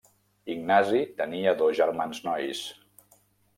Ignasi tenia dos germans nois: